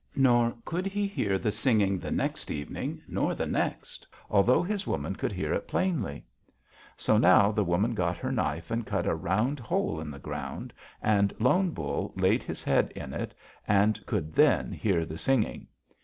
Nor could he hear the singing the next evening, nor the next, although his woman could hear it plainly. So now the woman got her knife and cut a round hole in the ground, and Lone Bull laid his head in it and could then hear the singing.